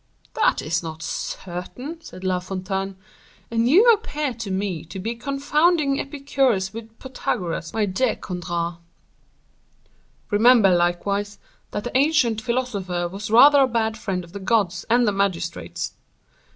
"That is not certain," said La Fontaine; "and you appear to me to be confounding Epicurus with Pythagoras, my dear Conrart." "Remember, likewise, that the ancient philosopher was rather a bad friend of the gods and the magistrates."